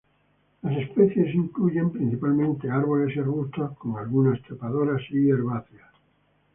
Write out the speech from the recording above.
Las especies incluyen principalmente árboles y arbustos, con algunas trepadoras y herbáceas.